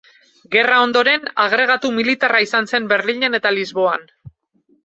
Gerra ondoren, agregatu militarra izan zen Berlinen eta Lisboan.